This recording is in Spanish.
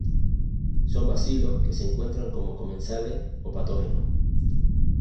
Son bacilos que se encuentran como comensales o patógenos.